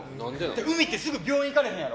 海ってすぐ病院いかれへんやろ。